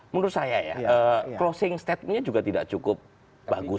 menurut saya ya crossing statenya juga tidak cukup bagus